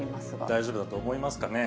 大丈夫だと思いますかね？